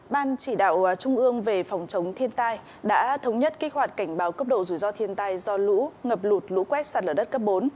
ban chỉ đạo trung ương về phòng chống thiên tai đã thống nhất kích hoạt cảnh báo cấp độ rủi ro thiên tai do lũ ngập lụt lũ quét sạt lở đất cấp bốn